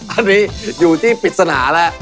อันนี้อยู่ที่ปริศนาแล้ว